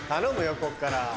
ここから。